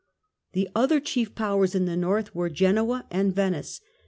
Genoa The other chief powers in the North were Genoa and Venice.